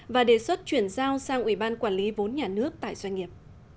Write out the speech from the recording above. và đề xuất chuyển giao sang ủy ban quản lý vốn nhà nước tại doanh nghiệp